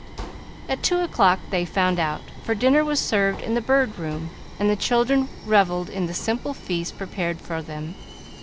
At two o'clock they found out, for dinner was served in the Bird Room, and the children revelled in the simple feast prepared for them.